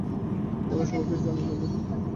তোমাদের সবার কিছু জানা প্রয়োজন।